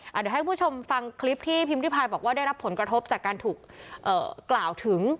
เดี๋ยวให้คุณผู้ชมฟังคลิปที่พิมพิพายบอกว่าได้รับผลกระทบจากการถูกกล่าวถึง